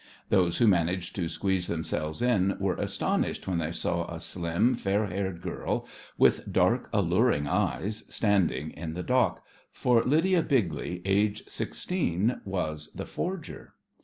Those who managed to squeeze themselves in were astonished when they saw a slim, fair haired girl, with dark, alluring eyes, standing in the dock, for Lydia Bigley, aged sixteen, was the forger!